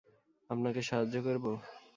আপনাকে সাহায্য করবো?